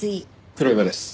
黒岩です。